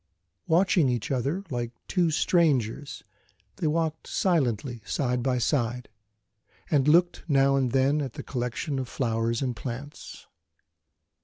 Watching each other like two strangers, they walked silently side by side, and looked now and then at the collection of flowers and plants.